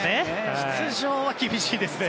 出場は厳しいですね。